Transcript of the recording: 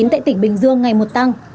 tại tỉnh bình dương ngày một tăng